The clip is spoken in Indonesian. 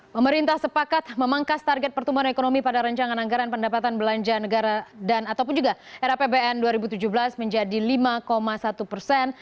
pemerintah sepakat memangkas target pertumbuhan ekonomi pada rencangan anggaran pendapatan belanja negara dan ataupun juga era pbn dua ribu tujuh belas menjadi lima satu persen